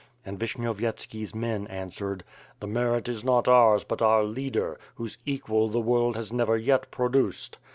And Vishnyovyetski's men answered, "The merit is not ours but our leader, whose equal the world has never yet pro duced.'